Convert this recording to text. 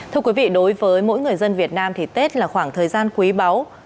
thưa quý vị đối với mỗi người dân việt nam thì tết là khoảng thời gian quý báu